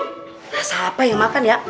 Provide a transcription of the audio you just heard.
nah siapa yang makan ya